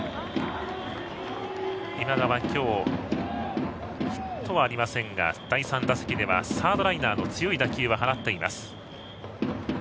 今川、今日はヒットはありませんが第３打席ではサードライナーの強い打球を放っています。